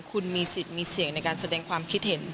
คุณมีสิทธิ์มีเสียงในการแสดงความคิดเห็น